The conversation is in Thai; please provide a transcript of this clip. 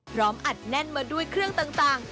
อัดแน่นมาด้วยเครื่องต่าง